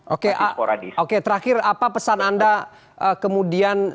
oke oke terakhir apa pesan anda kemudian